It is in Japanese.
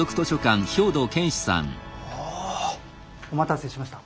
おお！お待たせしました。